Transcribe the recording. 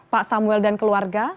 pak samuel dan keluarga